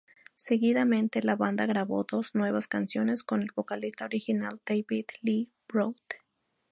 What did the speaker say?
Seguidamente, la banda grabó dos nuevas canciones con el vocalista original David Lee Roth.